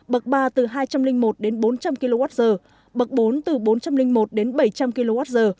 bậc ba từ hai trăm linh một đến bốn trăm linh kwh bậc bốn từ bốn trăm linh một đến bảy trăm linh kwh